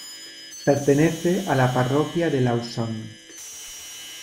Pertenece a la parroquia de Lousame.